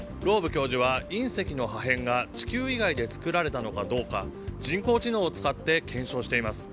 教授は隕石の破片が地球以外で作られたのかどうか人工知能を使って検証しています。